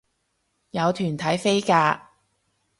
有團體飛價